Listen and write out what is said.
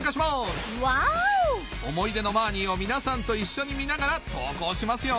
『思い出のマーニー』を皆さんと一緒に見ながら投稿しますよ